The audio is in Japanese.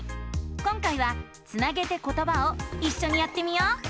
今回は「つなげてことば」をいっしょにやってみよう！